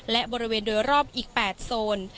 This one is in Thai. และบริเวณโดยรอบอีก๘โซน